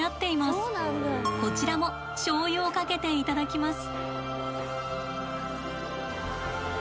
こちらもしょう油をかけていただきます。